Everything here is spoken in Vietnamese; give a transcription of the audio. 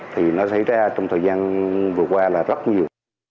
thì nó xảy ra trong thời gian vừa qua là rất nhiều